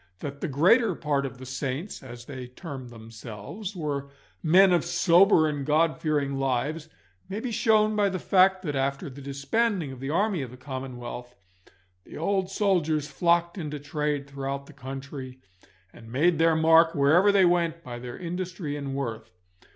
That the greater part of the saints, as they termed themselves, were men of sober and God fearing lives, may be shown by the fact that, after the disbanding of the army of the Commonwealth, the old soldiers flocked into trade throughout the country, and made their mark wherever they went by their industry and worth.